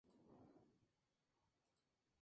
Tiene una calzada que la conecta con Cayo Romano.